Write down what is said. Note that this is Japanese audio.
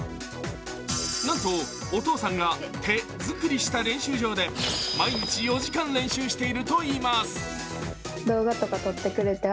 なんとお父さんが手作りした練習場で毎日４時間練習しているといいます